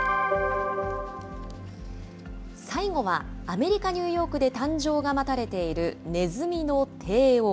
最後はアメリカ・ニューヨークで誕生が待たれているネズミの帝王。